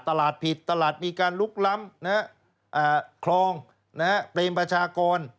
ตลาดผิดตลาดมีการลุกล้ำคลองเปรมประชากร